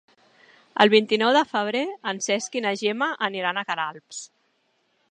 El vint-i-nou de febrer en Cesc i na Gemma aniran a Queralbs.